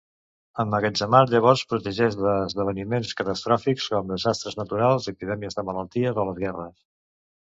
Emmagatzemar llavors protegeix d'esdeveniments catastròfics com desastres naturals, epidèmies de malalties o les guerres.